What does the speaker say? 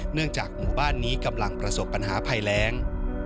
เนื่องจากหมู่บ้านนี้กำลังประสบปัญหาภัยแรง